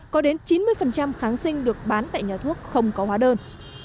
có đến chín mươi kháng sinh được bán tại nhà thuốc không có hóa đơn